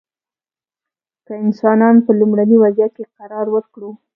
که انسانان په لومړني وضعیت کې قرار ورکړو.